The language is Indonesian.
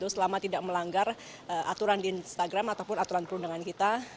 selama tidak melanggar aturan di instagram ataupun aturan perundangan kita